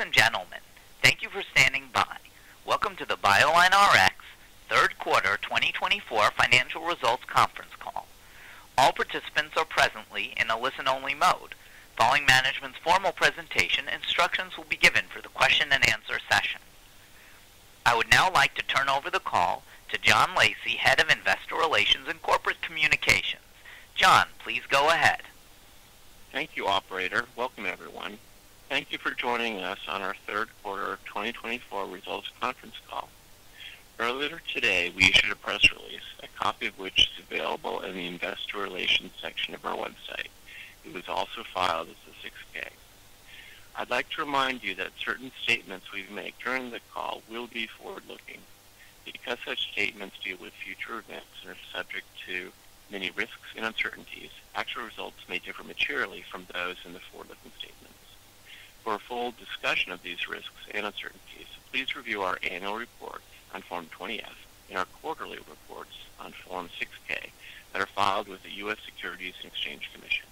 Ladies and gentlemen, thank you for standing by. Welcome to the BioLineRx Third Quarter 2024 Financial Results Conference Call. All participants are presently in a listen-only mode. Following management's formal presentation, instructions will be given for the question-and-answer session. I would now like to turn over the call to John Lacey, Head of Investor Relations and Corporate Communications. John, please go ahead. Thank you, Operator. Welcome, everyone. Thank you for joining us on our third quarter 2024 results conference call. Earlier today, we issued a press release, a copy of which is available in the Investor Relations section of our website. It was also filed as a 6-K. I'd like to remind you that certain statements we make during the call will be forward-looking. Because such statements deal with future events and are subject to many risks and uncertainties, actual results may differ materially from those in the forward-looking statements. For a full discussion of these risks and uncertainties, please review our annual report on Form 20-F and our quarterly reports on Form 6-K that are filed with the U.S. Securities and Exchange Commission.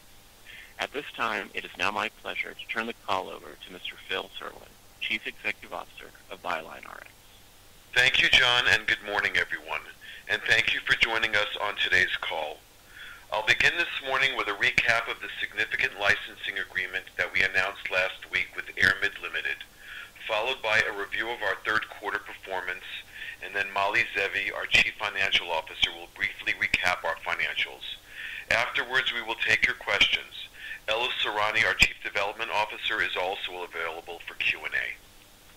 At this time, it is now my pleasure to turn the call over to Mr. Phil Serlin, Chief Executive Officer of BioLineRx. Thank you, John, and good morning, everyone. Thank you for joining us on today's call. I'll begin this morning with a recap of the significant licensing agreement that we announced last week with Ayrmid Limited, followed by a review of our third quarter performance, and then Mali Zeevi, our Chief Financial Officer, will briefly recap our financials. Afterwards, we will take your questions. Ella Sorani, our Chief Development Officer, is also available for Q&A.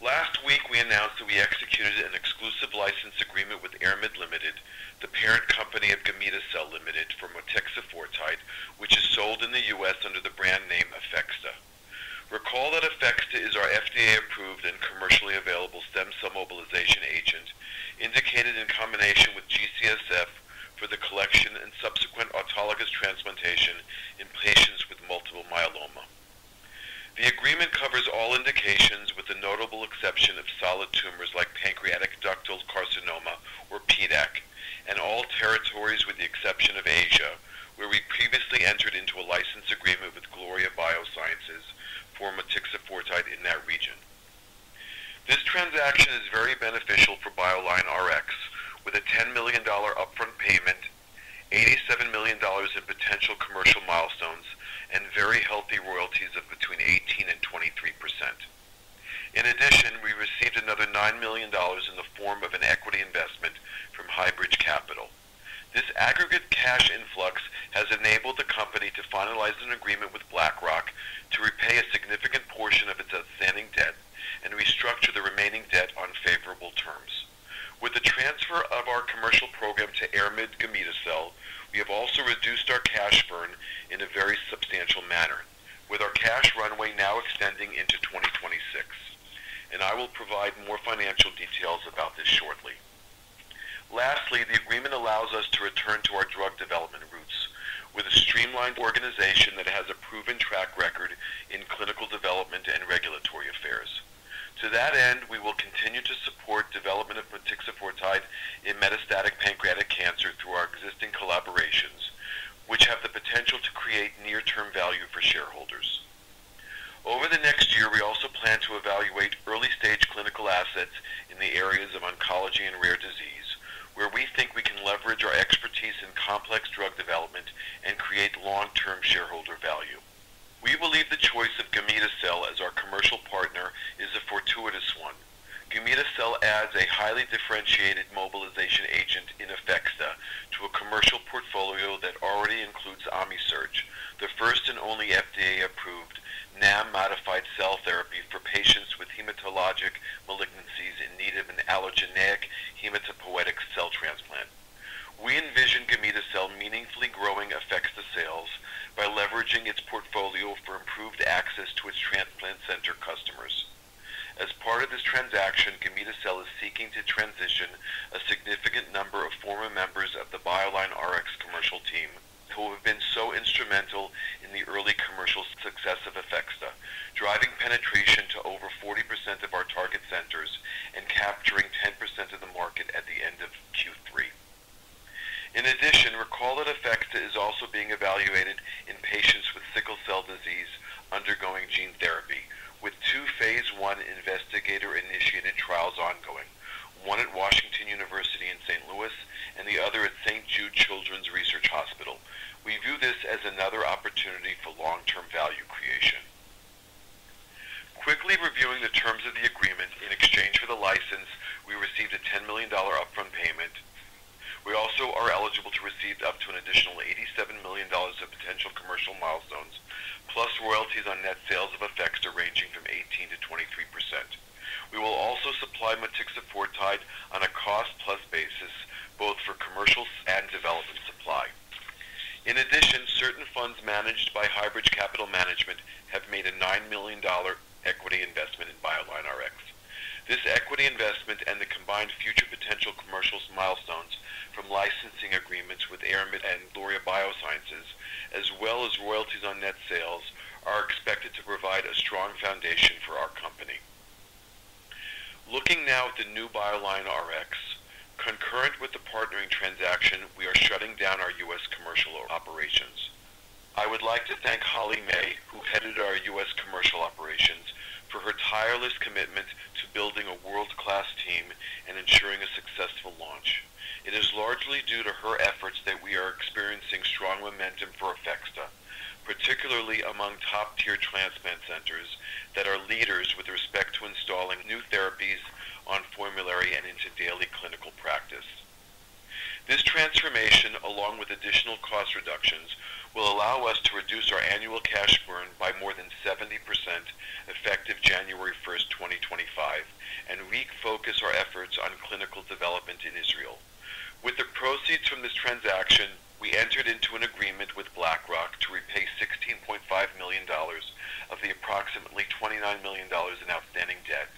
Last week, we announced that we executed an exclusive license agreement with Ayrmid Limited, the parent company of Gamida Cell Limited, for motixafortide, which is sold in the U.S. under the brand name APHEXDA. Recall that APHEXDA is our FDA-approved and commercially available stem cell mobilization agent indicated in combination with G-CSF for the collection and subsequent autologous transplantation in patients with multiple myeloma. The agreement covers all indications with the notable exception of solid tumors like Pancreatic Ductal Carcinoma, or PDAC, and all territories with the exception of Asia, where we previously entered into a license agreement with Gloria Biosciences for motixafortide in that region. This transaction is very beneficial for BioLineRx, with a $10 million upfront payment, $87 million in potential commercial milestones, and very healthy royalties of between 18% and 23%. In addition, we received another $9 million in the form of an equity investment from Highbridge Capital. This aggregate cash influx has enabled the company to finalize an agreement with BlackRock to repay a significant portion of its outstanding debt and restructure the remaining debt on favorable terms. With the transfer of our commercial program to Ayrmid Gamida Cell, we have also reduced our cash burn in a very substantial manner, with our cash runway now extending into 2026. I will provide more financial details about this shortly. Lastly, the agreement allows us to return to our drug development roots, with a streamlined organization that has a proven track record in clinical development and regulatory affairs. To that end, we will continue to support the development of motixafortide in metastatic pancreatic cancer through our existing collaborations, which have the potential to create near-term value for shareholders. Over the next year, we also plan to evaluate early-stage clinical assets in the areas of oncology and rare disease, where we think we can leverage our expertise in complex drug development and create long-term shareholder value. We believe the choice of Gamida Cell as our commercial partner is a fortuitous one. Gamida Cell adds a highly differentiated mobilization agent in APHEXDA to a commercial portfolio that already includes Omisirge, the first and only FDA-approved NAM-modified cell therapy for patients with hematologic malignancies in need of an allogeneic hematopoietic cell transplant. We envision Gamida Cell meaningfully growing APHEXDA sales by leveraging its portfolio for improved access to its transplant center customers. As part of this transaction, Gamida Cell is seeking to transition a significant number of former members of the BioLineRx commercial team who have been so instrumental in the early commercial success of APHEXDA, driving penetration to over 40% of our target centers and capturing 10% of the market at the end of Q3. In addition, recall that APHEXDA is also being evaluated in patients with sickle cell disease undergoing gene therapy, with two phase 1 investigator-initiated trials ongoing, one at Washington University in St. Louis and the other at St. Jude Children's Research Hospital. We view this as another opportunity for long-term value creation. Quickly reviewing the terms of the agreement, in exchange for the license, we received a $10 million upfront payment. We also are eligible to receive up to an additional $87 million of potential commercial milestones, plus royalties on net sales of APHEXDA ranging from 18%-23%. We will also supply motixafortide on a cost-plus basis, both for commercial and development supply. In addition, certain funds managed by Highbridge Capital Management have made a $9 million equity investment in BioLineRx. This equity investment and the combined future potential commercial milestones from licensing agreements with Ayrmid and Gloria Biosciences, as well as royalties on net sales, are expected to provide a strong foundation for our company. Looking now at the new BioLineRx, concurrent with the partnering transaction, we are shutting down our U.S. commercial operations. I would like to thank Holly May, who headed our U.S. commercial operations, for her tireless commitment to building a world-class team and ensuring a successful launch. It is largely due to her efforts that we are experiencing strong momentum for APHEXDA, particularly among top-tier transplant centers that are leaders with respect to installing new therapies on formulary and into daily clinical practice. This transformation, along with additional cost reductions, will allow us to reduce our annual cash burn by more than 70% effective January 1, 2025, and refocus our efforts on clinical development in Israel. With the proceeds from this transaction, we entered into an agreement with BlackRock to repay $16.5 million of the approximately $29 million in outstanding debt,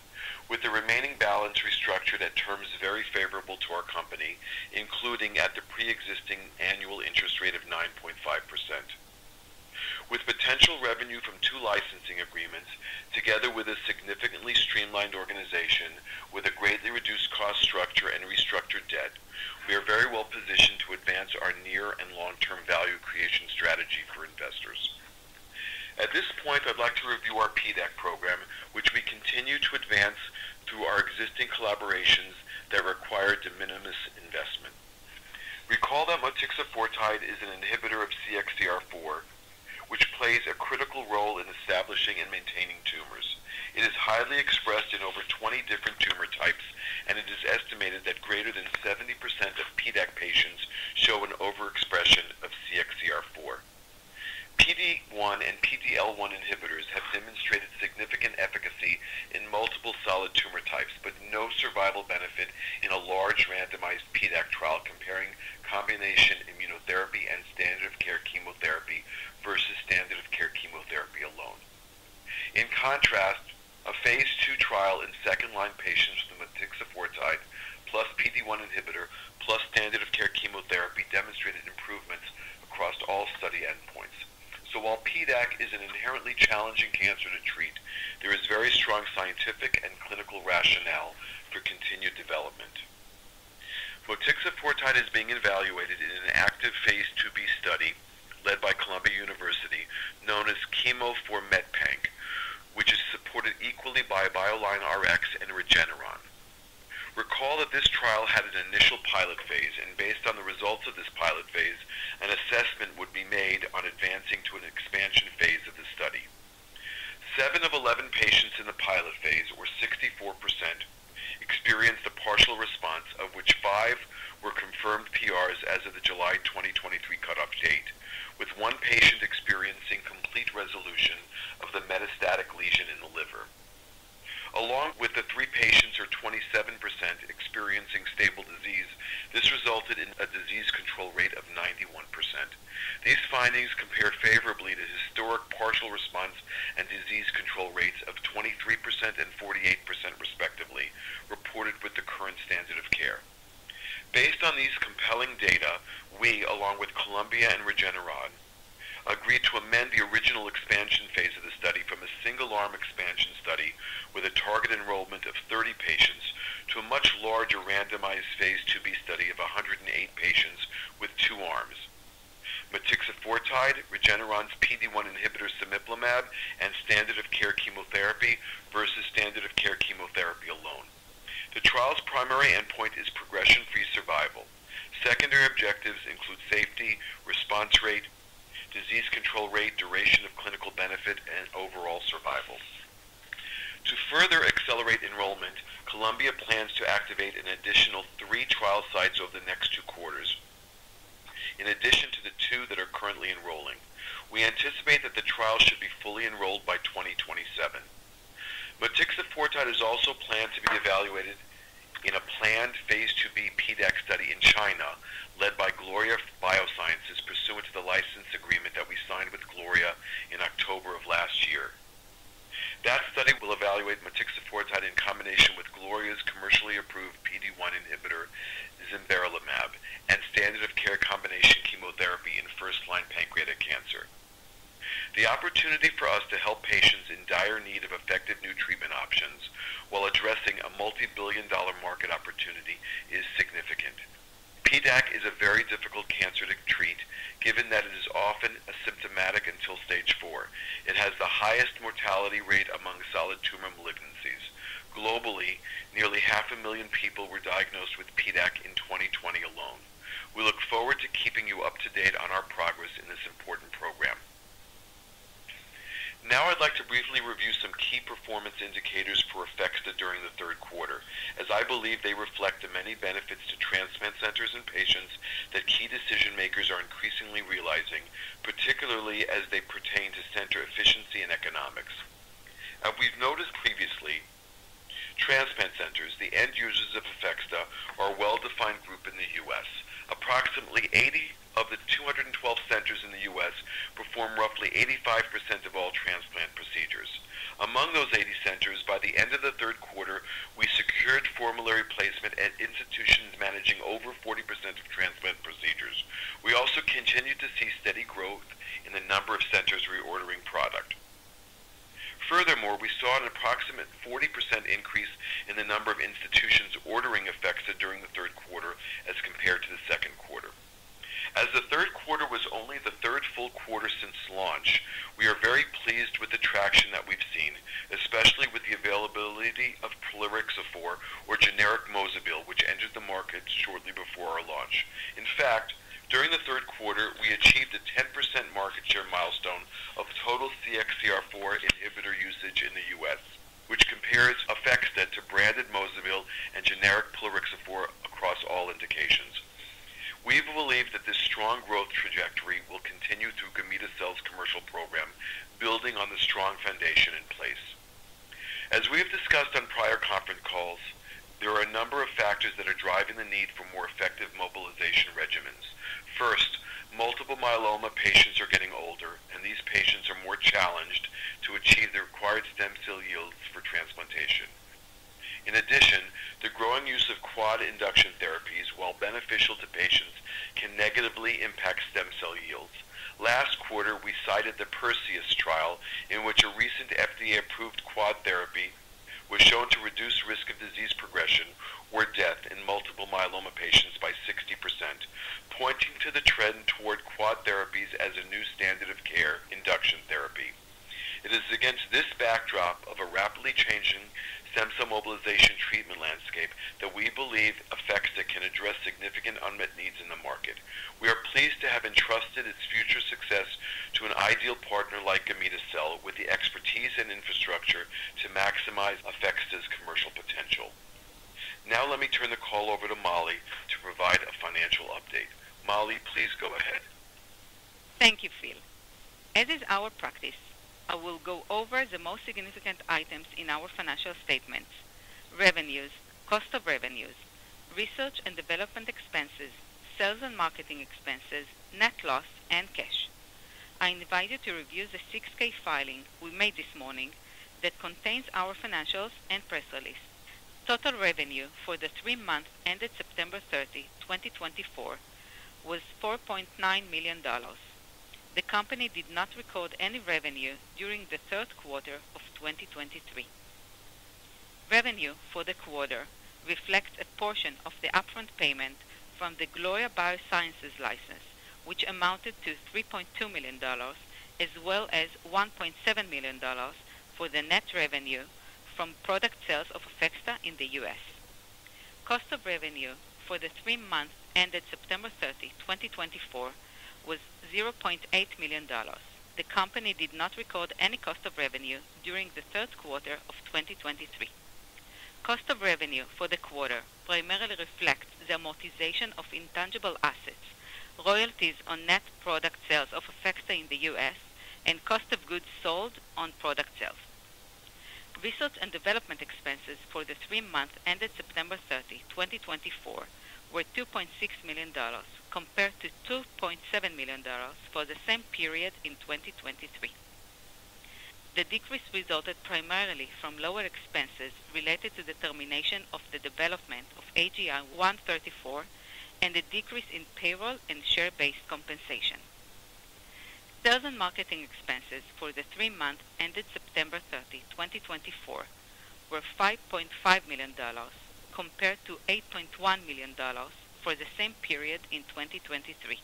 with the remaining balance restructured at terms very favorable to our company, including at the pre-existing annual interest rate of 9.5%. With potential revenue from two licensing agreements, together with a significantly streamlined organization, with a greatly reduced cost structure and restructured debt, we are very well positioned to advance our near and long-term value creation strategy for investors. At this point, I'd like to review our PDAC program, which we continue to advance through our existing collaborations that require de minimis investment. Recall that motixafortide is an inhibitor of CXCR4, which plays a critical role in establishing and maintaining tumors. It is highly expressed in over 20 different tumor types, and it is estimated that greater than 70% of PDAC patients show an overexpression of CXCR4. PD-1 and PD-L1 inhibitors have demonstrated significant efficacy in multiple solid tumor types, but no survival benefit in a large randomized PDAC trial comparing combination immunotherapy and standard of care chemotherapy versus standard of care chemotherapy alone. In contrast, a phase 2 trial in second-line patients with motixafortide, plus PD-1 inhibitor, plus standard of care chemotherapy demonstrated improvements across all study endpoints. So while PDAC is an inherently challenging cancer to treat, there is very strong scientific and clinical rationale for continued development. Motixafortide is being evaluated in Phase 2b study led by Columbia University, known as Chemo4MetPanc, which is supported equally by BioLineRx and Regeneron. Recall that this trial had an initial pilot phase, and based on the results of this pilot phase, an assessment would be made on advancing to an expansion phase of the study. Seven of 11 patients in the pilot phase, or 64%, experienced a partial response, of which five were confirmed PRs as of the July 2023 cutoff date, with one patient experiencing complete resolution of the metastatic lesion in the liver. Along with the three patients, or 27%, experiencing stable disease, this resulted in a disease control rate of 91%. These findings compare favorably to historic partial response and disease control rates of 23% and 48%, respectively, reported with the current standard of care. Based on these compelling data, we, along with Columbia University and Regeneron, agreed to amend the original expansion phase of the study from a single-arm expansion study with a target enrollment of 30 patients to a much larger randomized Phase 2b study of 108 patients with two arms: motixafortide, Regeneron's PD-1 inhibitor, cemiplimab, and standard of care chemotherapy versus standard of care chemotherapy alone. The trial's primary endpoint is progression-free survival. Secondary objectives include safety, response rate, disease control rate, duration of clinical benefit, and overall survival. To further accelerate enrollment, Columbia plans to activate an additional three trial sites over the next two quarters, in addition to the two that are currently enrolling. We anticipate that the trial should be fully enrolled by 2027. Motixafortide is also planned to be evaluated in Phase 2b PDAC study in China, led by Gloria Biosciences, pursuant to the license agreement that we signed with Gloria in October of last year. That study will evaluate motixafortide in combination with Gloria's commercially approved PD-1 inhibitor, zimberelimab, and standard of care combination chemotherapy in first-line pancreatic cancer. The opportunity for us to help patients in dire need of effective new treatment options while addressing a multi-billion-dollar market opportunity is significant. PDAC is a very difficult cancer to treat, given that it is often asymptomatic until stage four. It has the highest mortality rate among solid tumor malignancies. Globally, nearly 500,000 people were diagnosed with PDAC in 2020 alone. We look forward to keeping you up to date on our progress in this important program. Now, I'd like to briefly review some key performance indicators for APHEXDA during the third quarter, as I believe they reflect the many benefits to transplant centers and patients that key decision-makers are increasingly realizing, particularly as they pertain to center efficiency and economics. As we've noticed previously, transplant centers, the end users of APHEXDA, are a well-defined group in the U.S. Approximately 80 of the 212 centers in the U.S. perform roughly 85% of all transplant procedures. Among those 80 centers, by the end of the third quarter, we secured formulary placement at institutions managing over 40% of transplant procedures. We also continued to see steady growth in the number of centers reordering product. Furthermore, we saw an approximate 40% increase in the number of institutions ordering APHEXDA during the third quarter as compared to the second quarter. As the third quarter was only the third full quarter since launch, we are very pleased with the traction that we've seen, especially with the availability of plerixafor, or generic Mozobil, which entered the market shortly before our launch. In fact, during the third quarter, we achieved a 10% market share milestone of total CXCR4 inhibitor usage in the U.S., which compares APHEXDA to branded Mozobil and generic plerixafor across all indications. We believe that this strong growth trajectory will continue through Gamida Cell's commercial program, building on the strong foundation in place. As we have discussed on prior conference calls, there are a number of factors that are driving the need for more effective mobilization regimens. First, multiple myeloma patients are getting older, and these patients are more challenged to achieve the required stem cell yields for transplantation. In addition, the growing use of quad induction therapies, while beneficial to patients, can negatively impact stem cell yields. Last quarter, we cited the Perseus trial, in which a recent FDA-approved quad therapy was shown to reduce risk of disease progression expenses, net loss, and cash. I invite you to review the 6-K filing we made this morning that contains our financials and press release. Total revenue for the three months ended September 30, 2024, was $4.9 million. The company did not record any revenue during the third quarter of 2023. Revenue for the quarter reflects a portion of the upfront payment from the Gloria Biosciences license, which amounted to $3.2 million, as well as $1.7 million for the net revenue from product sales of APHEXDA in the U.S. Cost of revenue for the three months ended September 30, 2024, was $0.8 million. The company did not record any cost of revenue during the third quarter of 2023. Cost of revenue for the quarter primarily reflects the amortization of intangible assets, royalties on net product sales of APHEXDA in the U.S., and cost of goods sold on product sales. Research and development expenses for the three months ended September 30, 2024, were $2.6 million, compared to $2.7 million for the same period in 2023. The decrease resulted primarily from lower expenses related to the termination of the development of AGI-134 and the decrease in payroll and share-based compensation. Sales and marketing expenses for the three months ended September 30, 2024, were $5.5 million, compared to $8.1 million for the same period in 2023.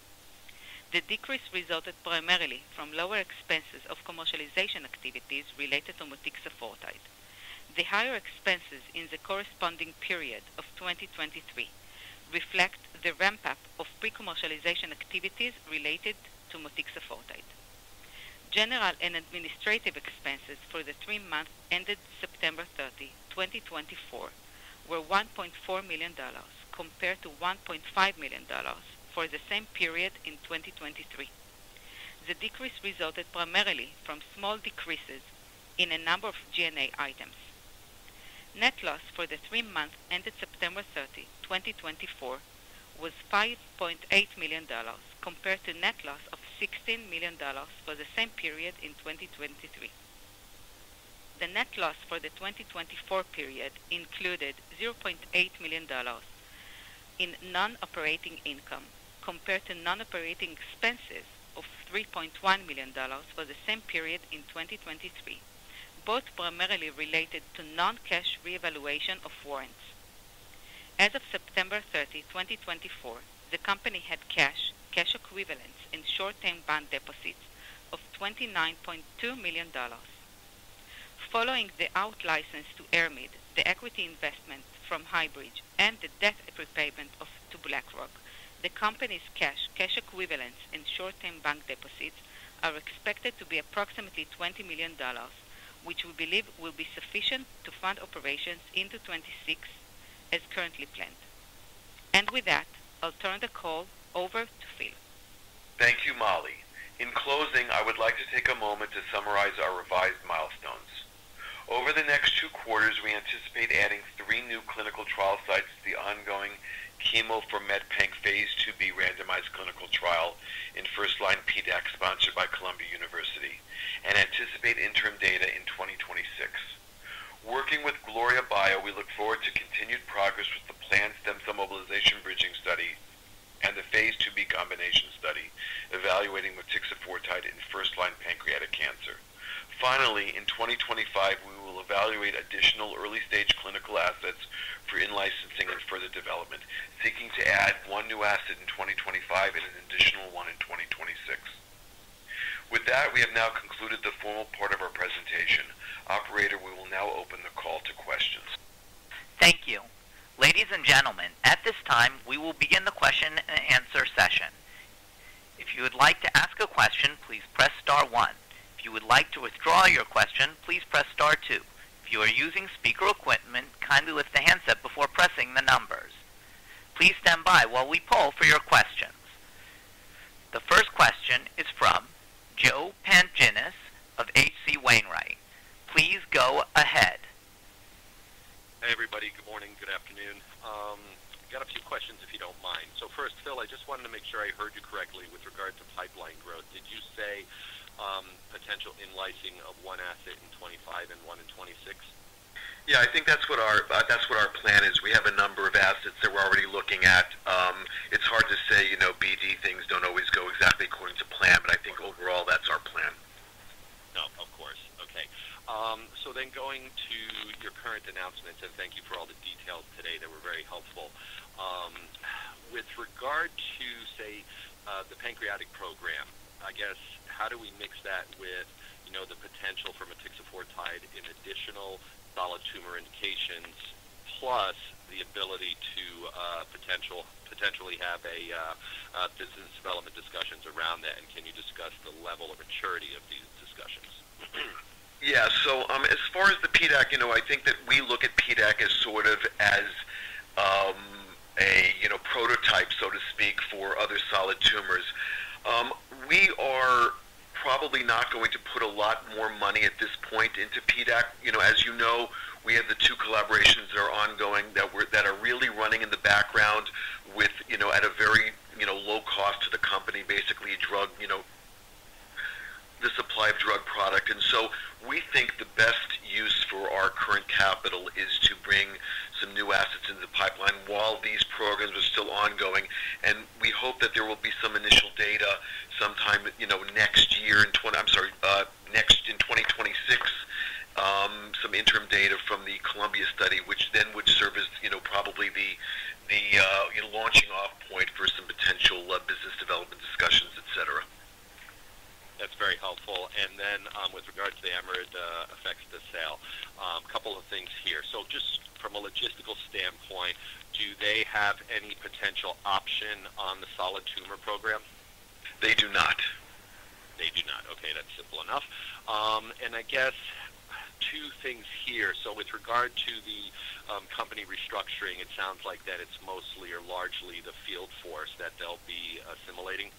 The decrease resulted primarily from lower expenses of commercialization activities related to motixafortide. The higher expenses in the corresponding period of 2023 reflect the ramp-up of pre-commercialization activities related to motixafortide. General and administrative expenses for the three months ended September 30, 2024, were $1.4 million, compared to $1.5 million for the same period in 2023. The decrease resulted primarily from small decreases in a number of G&A items. Net loss for the three months ended September 30, 2024, was $5.8 million, compared to net loss of $16 million for the same period in 2023. The net loss for the 2024 period included $0.8 million in non-operating income, compared to non-operating expenses of $3.1 million for the same period in 2023, both primarily related to non-cash reevaluation of warrants. As of September 30, 2024, the company had cash, cash equivalents in short-term bank deposits of $29.2 million. Following the out license to Ayrmid, the equity investment from Highbridge, and the debt repayment to BlackRock, the company's cash, cash equivalents in short-term bank deposits are expected to be approximately $20 million, which we believe will be sufficient to fund operations into 2026, as currently planned. With that, I'll turn the call over to Phil. Thank you, Mali. In closing, I would like to take a moment to summarize our revised milestones. Over the next two quarters, we anticipate adding three new clinical trial sites to the Phase 2b randomized clinical trial in first-line PDAC sponsored by Columbia University, and anticipate interim data in 2026. Working with Gloria Bio, we look forward to continued progress with the planned stem cell mobilization bridging study Phase 2b combination study evaluating motixafortide in first-line pancreatic cancer. Finally, in 2025, we will evaluate additional early-stage clinical assets for in-licensing and further development, seeking to add one new asset in 2025 and an additional one in 2026. With that, we have now concluded the formal part of our presentation. Operator, we will now open the call to questions. Thank you. Ladies and gentlemen, at this time, we will begin the question and answer session. If you would like to ask a question, please press star one. If you would like to withdraw your question, please press star two. If you are using speaker equipment, kindly lift the handset before pressing the numbers. Please stand by while we poll for your questions. The first question is from Joe Pantginis of H.C. Wainwright. Please go ahead. Hey, everybody. Good morning. Good afternoon. I've got a few questions, if you don't mind. First, Phil, I just wanted to make sure I heard you correctly with regard to pipeline growth. Did you say potential in-licensing of one asset in 2025 and one in 2026? Yeah, I think that's what our plan is. We have a number of assets that we're already looking at. It's hard to say, BD things don't always go exactly according to plan, but I think overall, that's our plan. No, of course. Okay. Then going to your current announcements, and thank you for all the details today. They were very helpful. With regard to, say, the pancreatic program, I guess, how do we mix that with the potential for motixafortide in additional solid tumor indications, plus the ability to potentially have business development discussions around that? And can you discuss the level of maturity of these discussions? Yeah. So as far as the PDAC, I think that we look at PDAC as sort of as a prototype, so to speak, for other solid tumors. We are probably not going to put a lot more money at this point into PDAC. As you know, we have the two collaborations that are ongoing that are really running in the background at a very low cost to the company, basically the supply of drug product. And so we think the best use for our current capital is to bring some new assets into the pipeline while these programs are still ongoing. And we hope that there will be some initial data sometime next year—I'm sorry—in 2026, some interim data from the Columbia study, which then would serve as probably the launching-off point for some potential business development discussions, etc. That's very helpful. And then with regard to the Ayrmid APHEXDA sale, a couple of things here. So just from a logistical standpoint, do they have any potential option on the solid tumor program? They do not. They do not. Okay. That's simple enough. And I guess two things here. So with regard to the company restructuring, it sounds like that it's mostly or largely the field force that they'll be assimilating?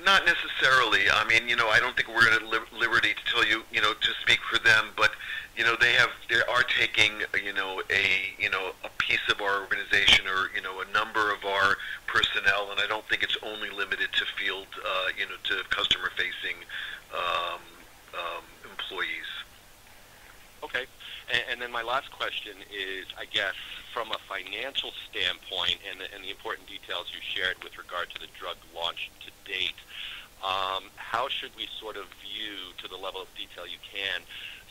Not necessarily. I mean, I don't think we're at liberty to tell you to speak for them, but they are taking a piece of our organization or a number of our personnel, and I don't think it's only limited to field to customer-facing employees. Okay. And then my last question is, I guess, from a financial standpoint and the important details you shared with regard to the drug launch to date, how should we sort of view, to the level of detail you can,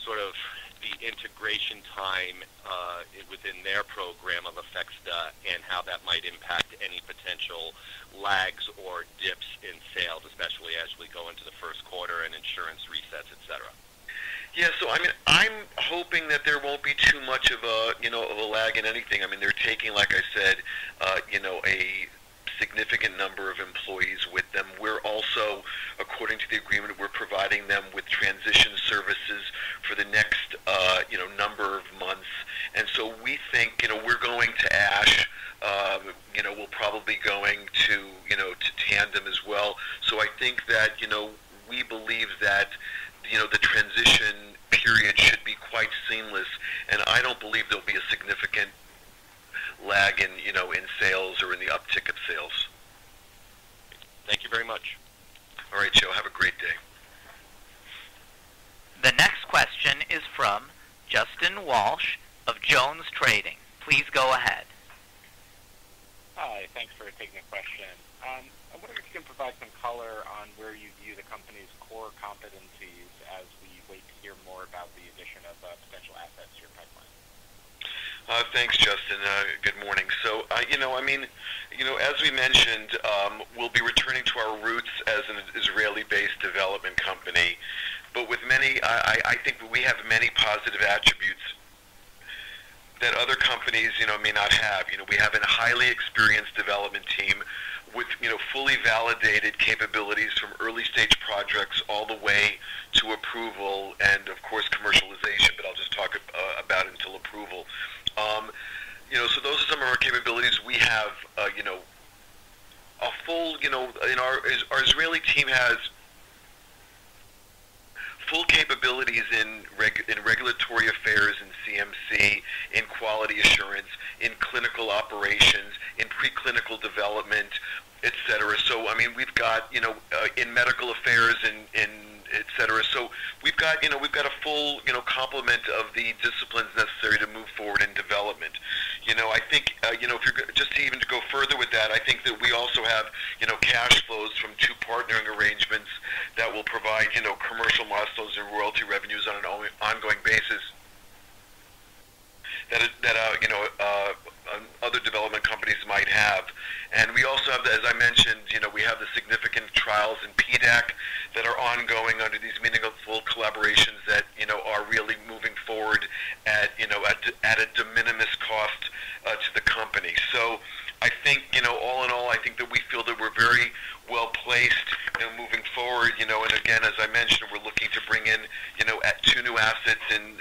sort of the integration time within their program of APHEXDA and how that might impact any potential lags or dips in sales, especially as we go into the first quarter and insurance resets, etc.? Yeah. So I mean, I'm hoping that there won't be too much of a lag in anything. I mean, they're taking, like I said, a significant number of employees with them. We're also, according to the agreement, we're providing them with transition services for the next number of months. And so we think we're going to ASH. We'll probably be going to Tandem as well. So I think that we believe that the transition period should be quite seamless, and I don't believe there'll be a significant lag in sales or in the uptick of sales. Thank you very much. All right, Joe. Have a great day. The next question is from Justin Walsh of JonesTrading. Please go ahead. Hi. Thanks for taking the question. I wonder if you can provide some color on where you view the company's core competencies as we wait to hear more about the addition of potential assets to your pipeline. Thanks, Justin. Good morning. So I mean, as we mentioned, we'll be returning to our roots as an Israeli-based development company. But I think we have many positive attributes that other companies may not have. We have a highly experienced development team with fully validated capabilities from early-stage projects all the way to approval and, of course, commercialization, but I'll just talk about it until approval. So those are some of our capabilities. We have a full, our Israeli team has full capabilities in regulatory affairs, in CMC, in quality assurance, in clinical operations, in preclinical development, etc. So I mean, we've got in medical affairs, etc. So we've got a full complement of the disciplines necessary to move forward in development. I think if you're just even to go further with that, I think that we also have cash flows from two partnering arrangements that will provide commercial milestones and royalty revenues on an ongoing basis that other development companies might have. And we also have, as I mentioned, we have the significant trials in PDAC that are ongoing under these meaningful collaborations that are really moving forward at a de minimis cost to the company. So I think all in all, I think that we feel that we're very well placed moving forward. And again, as I mentioned, we're looking to bring in two new assets in the 2025, 2026 period. We have a list of potential in-licensing candidates. All of them sort of meet our criteria of a low upfront payment in oncology and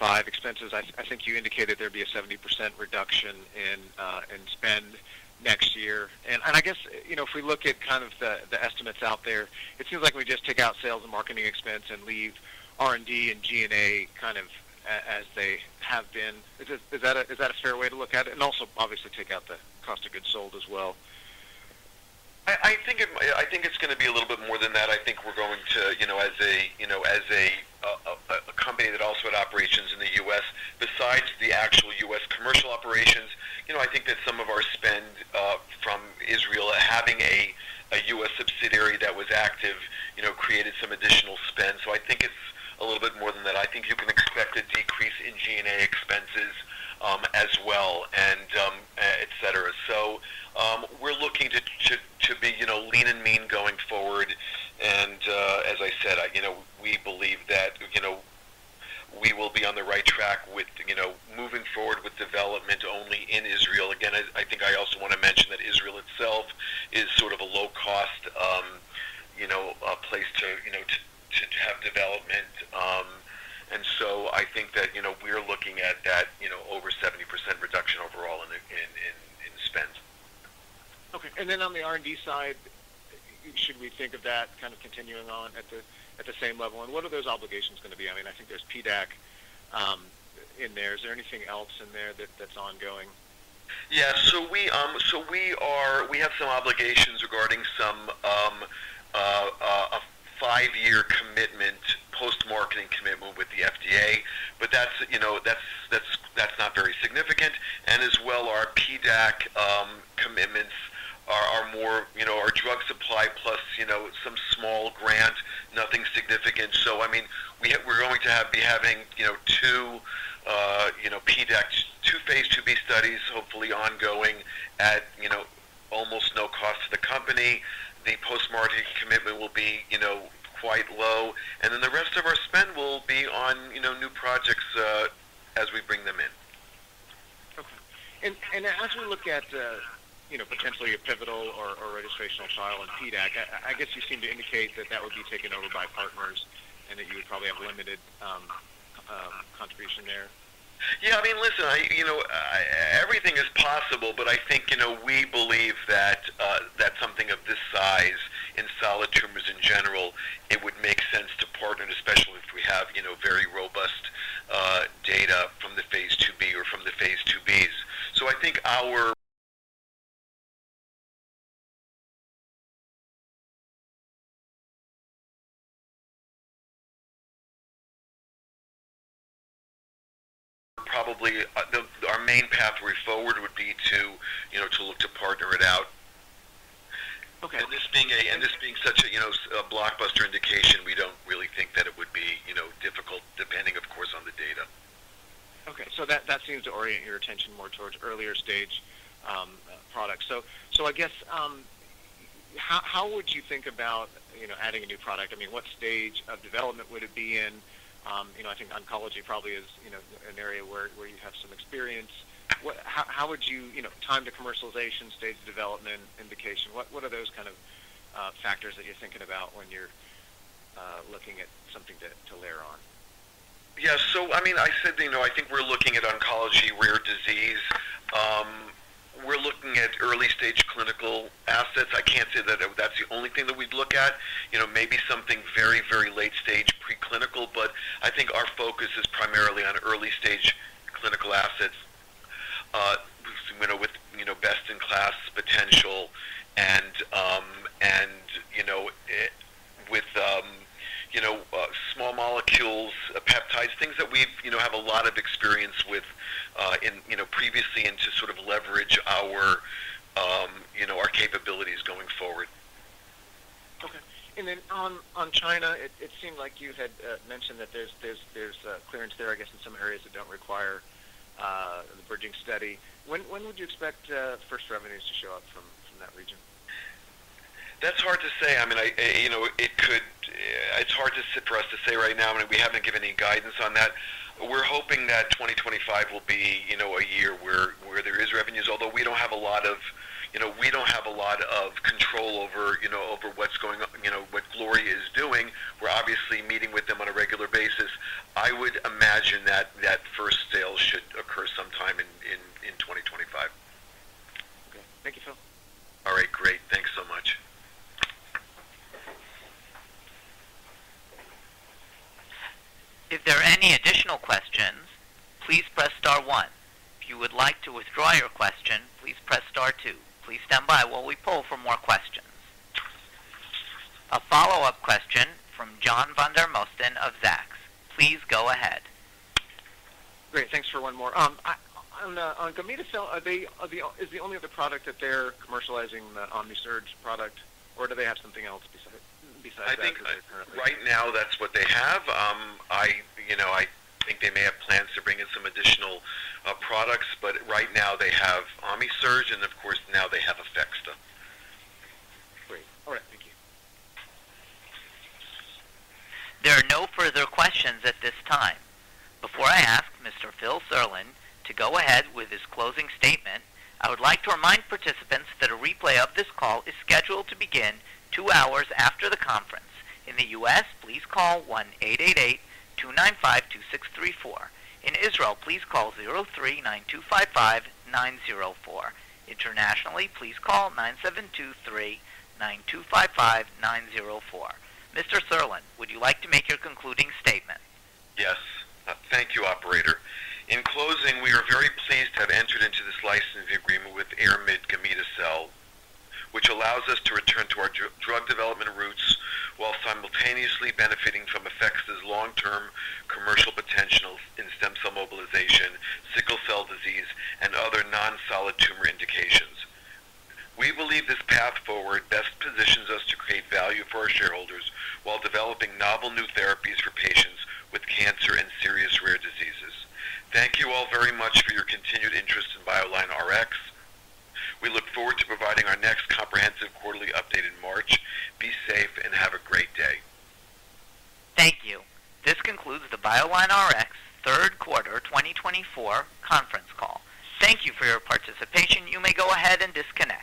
mean, that's sort of how we see ourselves moving forward. I hope that gave you a comprehensive answer to your question. Yeah, definitely. Thanks for taking the question. Great. The next question is from John Vandermosten of Zacks. Please go ahead. Thank you. And hello, Phil and Mali. Looking at the 2025 expenses, I think you indicated there'd be a 70% reduction in spend next year. And I guess if we look at kind of the estimates out there, it seems like we just take out sales and marketing expense and leave R&D and G&A kind of as they have been. Is that a fair way to look at it? And also, obviously, take out the cost of goods sold as well. I think it's going to be a little bit more than that. I think we're going to, as a company that also had operations in the U.S., besides the actual U.S. commercial operations, I think that some of our spend from Israel having a U.S. subsidiary that was active created some additional spend. So I think it's a little bit more than that. I think you can expect a decrease in G&A expenses as well, etc., so we're looking to be lean and mean going forward, and as I said, we believe that we will be on the right track with moving forward with development only in Israel. Again, I think I also want to mention that Israel itself is sort of a low-cost place to have development, and so I think that we're looking at that over 70% reduction overall in spend. Okay. Then on the R&D side, should we think of that kind of continuing on at the same level, and what are those obligations going to be? I mean, I think there's PDAC in there. Is there anything else in there that's ongoing? Yeah, so we have some obligations regarding some five-year commitment, post-marketing commitment with the FDA, but that's not very significant. And as well, our PDAC commitments are more our drug supply plus some small grant, nothing significant. So I mean, we're going to be having two Phase 2b studies, hopefully ongoing at almost no cost to the company. The post-marketing commitment will be quite low. And then the rest of our spend will be on new projects as we bring them in. And as we look at potentially a pivotal or registrational trial in PDAC, I guess you seem to indicate that that would be taken over by partners and that you would probably have limited contribution there. Yeah. I mean, listen, everything is possible, but I think we believe that something of this size in solid tumors in general. It would make sense to partner, especially if we have very robust data from the Phase 2bs. So I think our main pathway forward would be to look to partner it out. And this being such a blockbuster indication, we don't really think that it would be difficult, depending, of course, on the data. Okay. So that seems to orient your attention more towards earlier stage products. So I guess, how would you think about adding a new product? I mean, what stage of development would it be in? I think oncology probably is an area where you have some experience. How would you time to commercialization, stage development, indication? What are those kind of factors that you're thinking about when you're looking at something to layer on? Yeah. So I mean, I said I think we're looking at oncology, rare disease. We're looking at early-stage clinical assets. I can't say that that's the only thing that we'd look at. Maybe something very, very late-stage preclinical, but I think our focus is primarily on early-stage clinical assets with best-in-class potential and with small molecules, peptides, things that we have a lot of experience with previously and to sort of leverage our capabilities going forward. Okay. And then on China, it seemed like you had mentioned that there's clearance there, I guess, in some areas that don't require the bridging study. When would you expect first revenues to show up from that region? That's hard to say. I mean, it's hard for us to say right now. I mean, we haven't given any guidance on that. We're hoping that 2025 will be a year where there are revenues, although we don't have a lot of control over what's going on, what Gloria is doing. We're obviously meeting with them on a regular basis. I would imagine that first sales should occur sometime in 2025. Okay. Thank you, Phil. All right. Great. Thanks so much. If there are any additional questions, please press star one. If you would like to withdraw your question, please press star two. Please stand by while we poll for more questions. A follow-up question from John Vandermosten of Zacks. Please go ahead. Great. Thanks for one more. On Gamida, is the only other product that they're commercializing the Omisirge product, or do they have something else besides that currently? I think right now that's what they have. I think they may have plans to bring in some additional products, but right now they have Omisirge, and of course, now they have APHEXDA. Great. All right. Thank you. There are no further questions at this time. Before I ask Mr. Phil Serlin to go ahead with his closing statement. I would like to remind participants that a replay of this call is scheduled to begin two hours after the conference. In the U.S., please call 1-888-295-2634. In Israel, please call 03-9255-904. Internationally, please call 972-392-55904. Mr. Serlin, would you like to make your concluding statement? Yes. Thank you, Operator. In closing, we are very pleased to have entered into this licensing agreement with Ayrmid Gamida Cell, which allows us to return to our drug development roots while simultaneously benefiting from APHEXDA's long-term commercial potential in stem cell mobilization, sickle cell disease, and other non-solid tumor indications. We believe this path forward best positions us to create value for our shareholders while developing novel new therapies for patients with cancer and serious rare diseases. Thank you all very much for your continued interest in BioLineRx. We look forward to providing our next comprehensive quarterly update in March. Be safe and have a great day. Thank you. This concludes the BioLineRx third quarter 2024 conference call. Thank you for your participation. You may go ahead and disconnect.